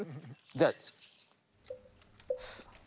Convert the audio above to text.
じゃあ。